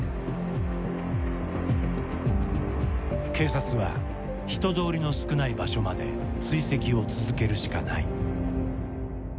警察は人通りの少ない場所まで追跡を続けるしかない。